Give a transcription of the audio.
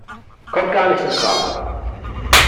Kommt gar nicht infrage!